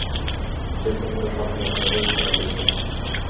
দেখতে থাকো স্বপ্ন, আর হইছে আমাদের বিয়ে।